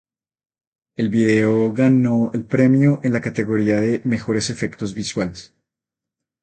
El vídeo ganó el premio en la categoría de "Mejores efectos visuales".